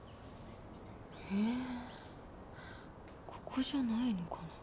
ここじゃないのかな。